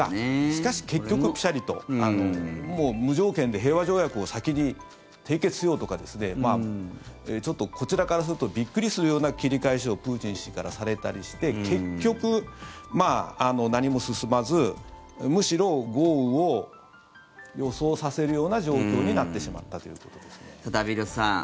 しかし、結局ぴしゃりと無条件で平和条約を先に締結しようとかちょっとこちらからするとびっくりするような切り返しをプーチン氏からされたりして結局、何も進まずむしろ豪雨を予想させるような状況になってしまったということですね。